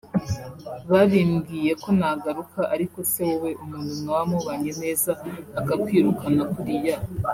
Babimbwiye ko nagaruka ariko se wowe umuntu mwaba mubanye neza akakwirukana kuriya